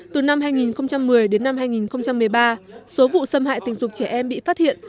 từ năm hai nghìn một mươi đến năm hai nghìn một mươi ba số vụ xâm hại tình dục trẻ em bị phát hiện